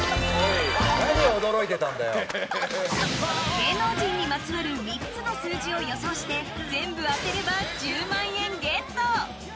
芸能人にまつわる３つの数字を予想して全部当てれば１０万円ゲット！